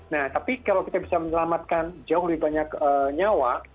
nah tapi kalau kita bisa menyelamatkan jauh lebih banyak nyawa